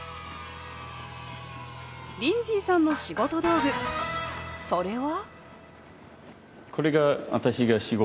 リンズィーさんの仕事道具それは？